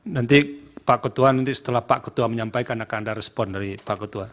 nanti pak ketua nanti setelah pak ketua menyampaikan akan ada respon dari pak ketua